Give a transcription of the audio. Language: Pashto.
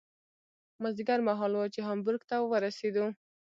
مازدیګر مهال و چې هامبورګ ته ورسېدو.